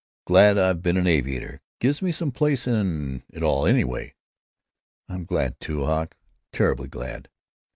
Glad I've been an aviator; gives me some place in it all, anyway." "I'm glad, too, Hawk, terribly glad."